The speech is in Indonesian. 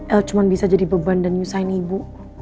el cuma bisa jadi beban dan desain ibu